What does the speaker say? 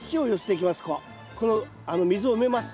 この溝を埋めます。